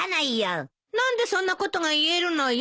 何でそんなことが言えるのよ。